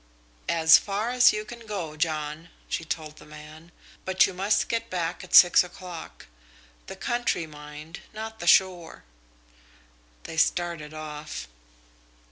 "As far as you can go, John," she told the man, "but you must get back at six o'clock. The country, mind not the shore." They started off.